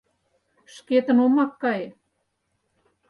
— Шкетын омак кае!